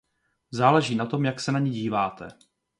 Záleží na tom, jak se na ni díváte.